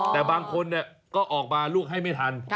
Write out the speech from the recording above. แต่บางคนก็ออกมาลวกให้ไม่ทัน